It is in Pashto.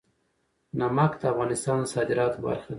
نمک د افغانستان د صادراتو برخه ده.